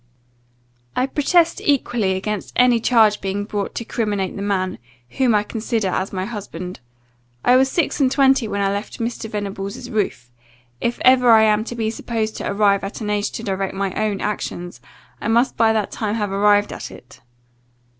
"I protest equally against any charge being brought to criminate the man, whom I consider as my husband. I was six and twenty when I left Mr. Venables' roof; if ever I am to be supposed to arrive at an age to direct my own actions, I must by that time have arrived at it.